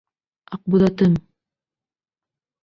Аҡбуҙатым!..